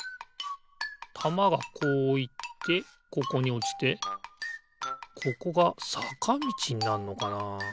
たまがこういってここにおちてここがさかみちになんのかな？